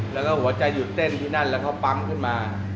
แล้วก็หัวใจหยุดเต้นที่นั่นแล้วเขาปั๊มขึ้นมา